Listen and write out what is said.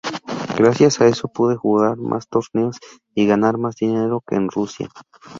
Gracias a eso pude jugar más torneos y ganar más dinero que en Rusia".